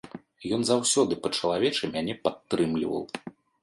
Ён заўсёды па-чалавечы мяне падтрымліваў.